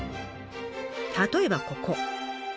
例えばここ。